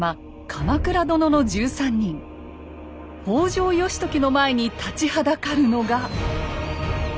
北条義時の前に立ちはだかるのが。